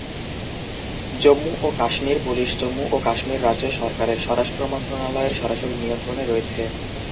জম্মু ও কাশ্মীর পুলিশ, জম্মু ও কাশ্মীর রাজ্য সরকারের স্বরাষ্ট্র মন্ত্রণালয়ের সরাসরি নিয়ন্ত্রণে রয়েছে।